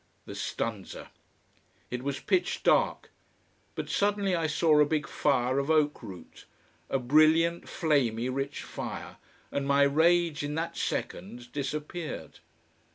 The stanza! It was pitch dark But suddenly I saw a big fire of oak root, a brilliant, flamy, rich fire, and my rage in that second disappeared.